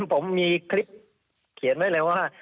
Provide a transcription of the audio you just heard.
ผมมีคลิปเขียนไว้เลยว่า